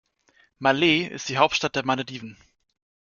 Malé ist die Hauptstadt der Malediven.